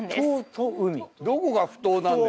どこが埠頭なんだ？